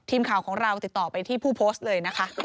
ทีมข่าวของเราติดต่อไปที่ผู้โพสต์เลยนะคะ